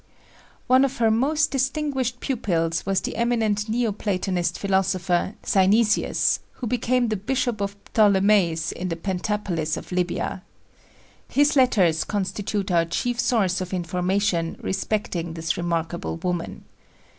One of her most distinguished pupils was the eminent Neo platonist philosopher, Synesius, who became the Bishop of Ptolemais in the Pentapolis of Libya. His letters constitute our chief source of information respecting this remarkable woman.